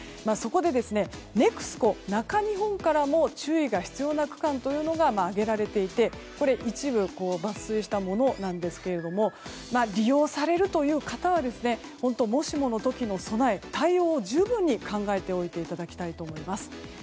そこで、ＮＥＸＣＯ中日本からも注意が必要な区間というのが挙げられていて、これは一部抜粋したものなんですが利用される方はもしもの時の備え対応を十分に考えておいていただきたいと思います。